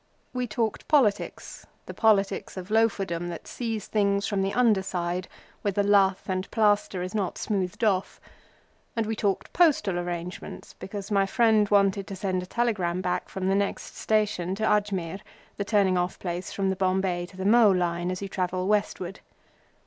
We talked politics—the politics of Loaferdom that sees things from the underside where the lath and plaster is not smoothed off—and we talked postal arrangements because my friend wanted to send a telegram back from the next station to Ajmir, which is the turning off place from the Bombay to the Mhow line as you travel westward.